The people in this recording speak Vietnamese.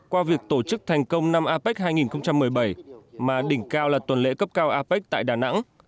qua việc tổ chức thành công năm apec hai nghìn một mươi bảy mà đỉnh cao là tuần lễ cấp cao apec tại đà nẵng